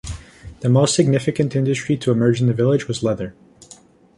The most significant industry to emerge in the village was leather.